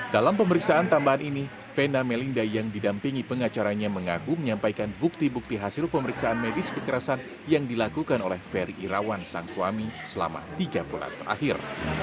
dalam pemeriksaan tambahan ini vena melinda yang didampingi pengacaranya mengaku menyampaikan bukti bukti hasil pemeriksaan medis kekerasan yang dilakukan oleh ferry irawan sang suami selama tiga bulan terakhir